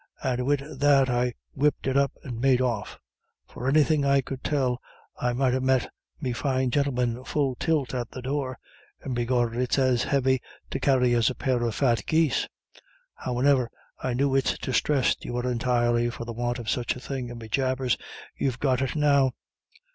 And wid that I whipped it up and made off. For anythin' I could tell, I might ha' met me fine gintleman full tilt at the door; and begorrah, it's as heavy to carry as a pair of fat geese. Howane'er, I knew it's distressed you were entirely for the want of such a thing, and bejabers, you've got it now."